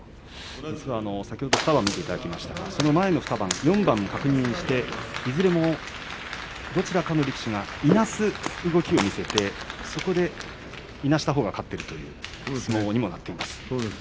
先ほど２番見ていただきましたがその前の２番、４番確認していずれもどちらかの力士がいなす動きを見せてそこでいなしたほうが勝っているという相撲にもなっています。